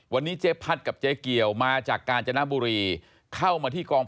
วันนี้เจ๊พัดกับเจ๊เกียวมาจากกาญจนบุรี